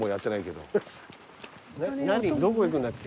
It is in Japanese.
どこ行くんだっけ？